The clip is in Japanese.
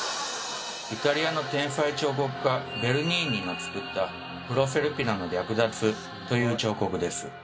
イタリアの天才彫刻家ベルニーニの作った「プロセルピナの略奪」という彫刻です。